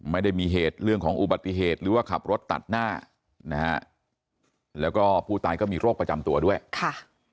ไม่ได้มีเหตุเรื่องของอุบัติเหตุหรือว่าขับรถตัดหน้านะฮะแล้วก็ผู้ตายก็มีโรคประจำตัวด้วยค่ะ